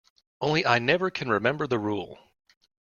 Only I never can remember the rule.